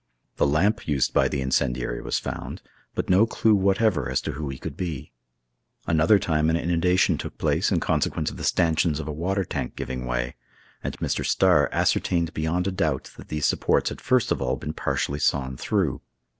The lamp used by the incendiary was found; but no clew whatever as to who he could be. Another time an inundation took place in consequence of the stanchions of a water tank giving way; and Mr. Starr ascertained beyond a doubt that these supports had first of all been partially sawn through.